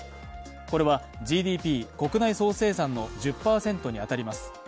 これはＧＤＰ＝国内総生産の１０％に当たります。